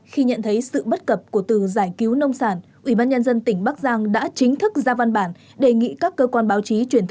khi nhận thấy sự bất cập của từ giải cứu nông sản ủy ban nhân dân tỉnh bắc giang đã chính thức ra văn bản đề nghị các cơ quan báo chí